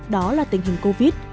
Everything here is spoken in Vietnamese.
đó là tình hình covid